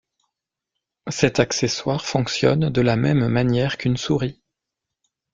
Cet accessoire fonctionne de la même manière qu'une souris.